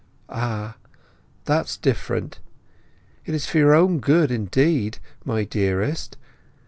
"Ah—that's different—it is for your good, indeed, my dearest!